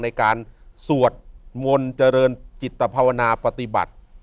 ในการสวดมนต์เจริญจิตภาวนาปฏิบัติ